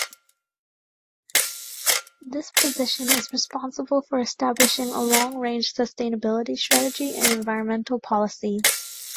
This position is responsible for establishing a long-range sustainability strategy and environmental policy.